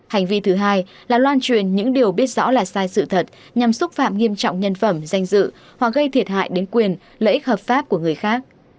hành vi thứ hai là loan truyền những điều biết rõ là sai sự thật nhằm xúc phạm nghiêm trọng nhân phẩm danh dự hoặc gây thiệt hại đến quyền lợi ích hợp pháp của người khác